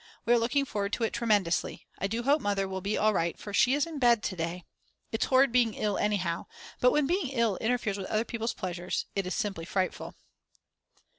We are looking forward to it tremendously. I do hope Mother will be all right, for she is in bed to day. It's horrid being ill anyhow, but when being ill interferes with other people's pleasure it's simply frightful.